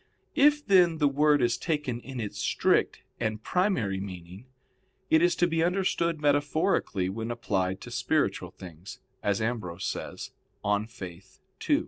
If, then, the word is taken in its strict and primary meaning, it is to be understood metaphorically when applied to spiritual things, as Ambrose says (De Fide ii).